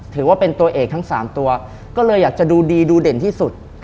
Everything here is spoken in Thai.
ถือว่าเป็นตัวเอกทั้ง๓ตัวก็เลยอยากจะดูดีดูเด่นที่สุด